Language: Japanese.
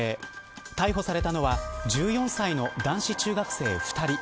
逮捕されたのは１４歳の男子中学生２人。